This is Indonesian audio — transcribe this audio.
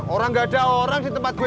orang gak ada orang di tempat gue